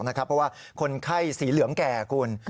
เพราะว่าคนไข้สีเหลืองแก่คุณ